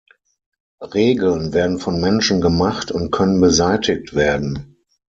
Regeln werden von Menschen gemacht und können beseitigt werden.